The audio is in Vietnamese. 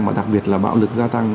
mà đặc biệt là bạo lực gia tăng